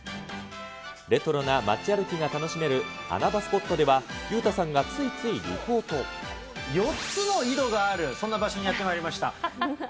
レトロな街歩きが楽しめる穴場スポットでは、４つの井戸があるそんな場所にやってまいりました。